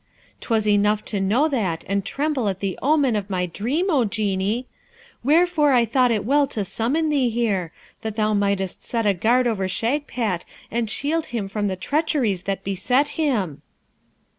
'Twas enough to know that and tremble at the omen of my dream, O Genie. Wherefore I thought it well to summon thee here, that thou mightest set a guard over Shagpat, and shield him from the treacheries that beset him.'